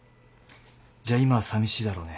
じゃあ今はさみしいだろうね。